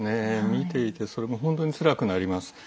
見ていて、それも本当につらくなります。